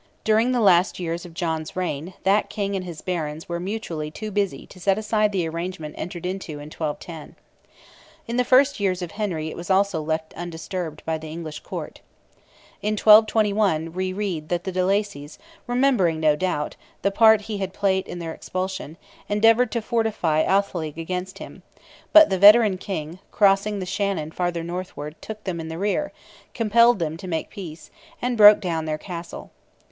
During the last years of John's reign that King and his Barons were mutually too busy to set aside the arrangement entered into in 1210. In the first years of Henry it was also left undisturbed by the English court. In 1221 we read that the de Lacys, remembering, no doubt, the part he had played in their expulsion, endeavoured to fortify Athleague against him, but the veteran King, crossing the Shannon farther northward, took them in the rear, compelled them to make peace, and broke down their Castle.